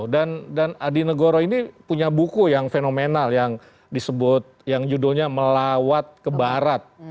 dan adi negoro ini punya buku yang fenomenal yang disebut yang judulnya melawat kebarat